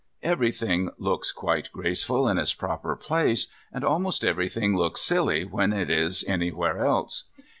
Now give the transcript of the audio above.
Everything looks quite graceful in its proper place, and almost everything looks silly when it is anywhere else.